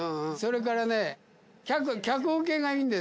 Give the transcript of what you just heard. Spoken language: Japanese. それからね。